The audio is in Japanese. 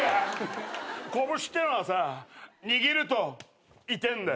拳っていうのはさ握ると痛えんだよ。